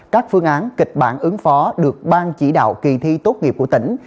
các phương án kịch bản ứng phó được ban chỉ đạo kỳ thi tốt nghiệp của tỉnh